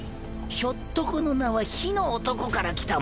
ひょっとこの名は「火の男」からきたもの。